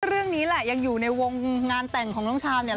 เรื่องนี้แหละยังอยู่ในวงงานแต่งของน้องชามเนี่ย